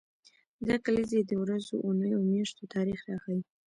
دا کلیزې د ورځو، اونیو او میاشتو تاریخ راښيي.